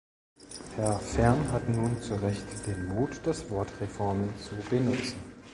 Herr Färm hat nun zu Recht den Mut, das Wort "Reformen" zu benutzen.